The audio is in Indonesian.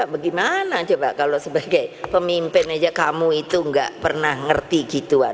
coba gimana coba kalau sebagai pemimpin aja kamu itu gak pernah ngerti gituan